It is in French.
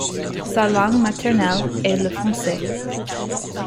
Sa langue maternelle est le français.